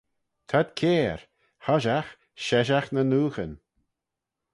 T'ad kiare; hoshiaght, sheshaght ny nooghyn.